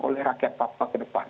oleh rakyat papua ke depan